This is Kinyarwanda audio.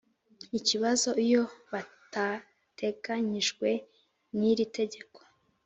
ikibazo iyo bitateganyijwe n iri tegeko